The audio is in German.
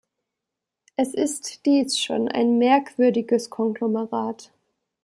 Es ist dies schon ein merkwürdiges Konglomerat!